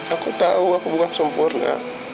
aku tahu aku bukan sempurna